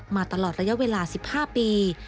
มาตลอดระยะเวลา๑๕ปี